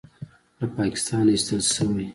له پاکستانه ایستل شوی